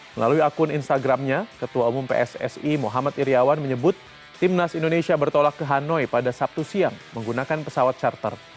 melalui akun instagramnya ketua umum pssi muhammad iryawan menyebut timnas indonesia bertolak ke hanoi pada sabtu siang menggunakan pesawat charter